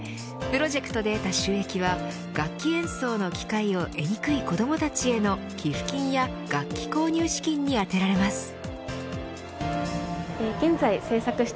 プロジェクトで得た収益は楽器演奏の機会を得にくい子どもたちへの寄付金や楽器購入資金に充てられます。